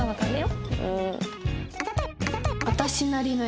うん。